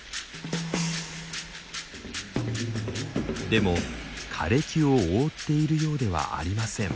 でも枯れ木を覆っているようではありません。